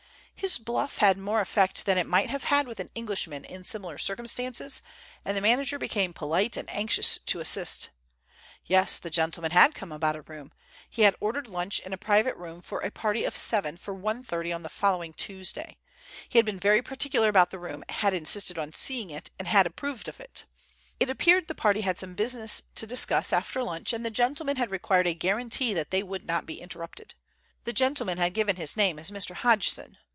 His bluff had more effect that it might have had with an Englishman in similar circumstances, and the manager became polite and anxious to assist. Yes, the gentleman had come about a room. He had ordered lunch in a private room for a party of seven for 1.30 on the following Tuesday. He had been very particular about the room, had insisted on seeing it, and had approved of it. It appeared the party had some business to discuss after lunch, and the gentleman had required a guarantee that they would not be interrupted. The gentleman had given his name as Mr. Hodgson.